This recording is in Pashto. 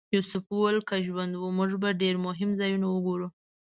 یوسف وویل که ژوند و موږ به ډېر مهم ځایونه وګورو.